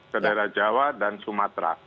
ke daerah jawa dan sumatera